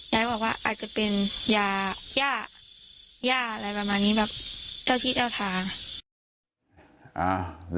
ยายบอกว่าอาจจะเป็นยาย่าย่าอะไรประมาณนี้แบบเจ้าที่เจ้าทาง